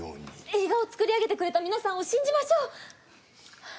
映画を作り上げてくれた皆さんを信じましょう！